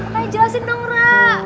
makanya jelasin dong ra